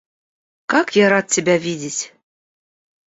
Как я рад тебя видеть!